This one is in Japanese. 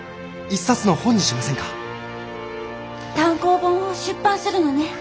単行本を出版するのね。